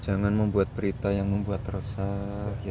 jangan membuat berita yang membuat resah